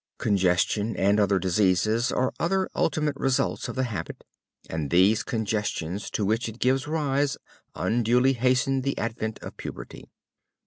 Congestion and other diseases are other ultimate results of the habit; and these congestions to which it gives rise unduly hasten the advent of puberty.